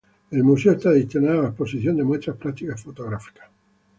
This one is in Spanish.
El Museo está destinado a la exposición de muestras prácticas fotográficas.